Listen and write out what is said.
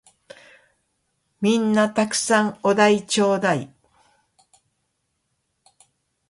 皆んな沢山お題ちょーだい！